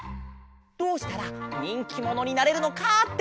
どうしたらにんきものになれるのかってはなし。